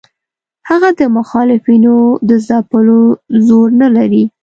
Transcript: هغه د مخالفینو د ځپلو زور نه لري.